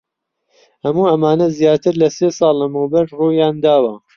هەموو ئەمانە زیاتر لە سێ ساڵ لەمەوبەر ڕوویان داوە.